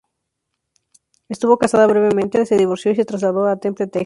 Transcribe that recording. Estuvo casada brevemente, se divorció, y se trasladó a Temple, Texas.